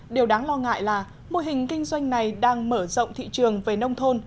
điều đáng lo ngại là mô hình kinh doanh này đang mở rộng thị trường về nông thôn